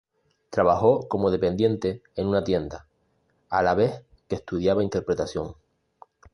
Trabajó como dependiente en una tienda, a la vez que estudiaba interpretación.